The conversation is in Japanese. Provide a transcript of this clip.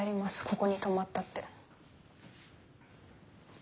ここに泊まったって。